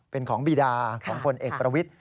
เป็นของบีดาของพลเอกประวิทธิ